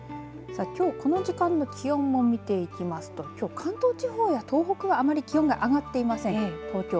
きょう、この時間の気温も見ていきますときょう関東地方や東北はあまり気温が上がっていません。